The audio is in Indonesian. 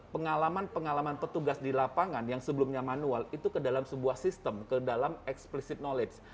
pengalaman pengalaman petugas di lapangan yang sebelumnya manual itu ke dalam sebuah sistem ke dalam explicit knowledge